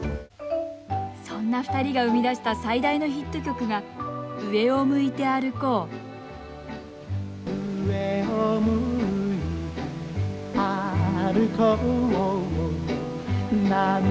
そんな２人が生み出した最大のヒット曲が「上を向いて歩こう」「涙がこぼれないように」